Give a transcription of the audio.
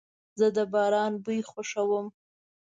زه د باران بوی خوښوم.